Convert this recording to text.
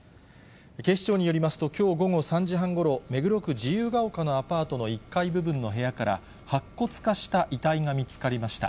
警視庁によりますと、きょう午後３時半ごろ、目黒区自由が丘のアパートの１階部分の部屋から白骨化した遺体が見つかりました。